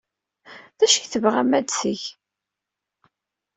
D acu ay tebɣam ad t-teg?